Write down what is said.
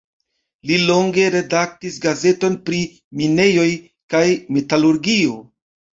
Li longe redaktis gazeton pri minejoj kaj metalurgio.